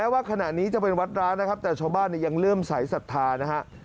ว่าขณะนี้จะเป็นวัดร้างนะครับแต่ชาวบ้านยังเริ่มสายศรัทธานะฮะ